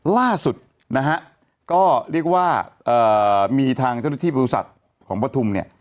ล่าสุดนะฮะก็เรียกว่ามีทางเจ้าหน้าที่บริษัทของปฐุมเนี่ย